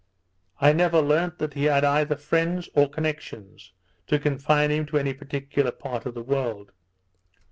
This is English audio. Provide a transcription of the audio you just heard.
I never learnt that he had either friends or connections, to confine him to any particular part of the world.